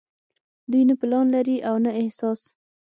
دوي نۀ پلان لري او نه احساس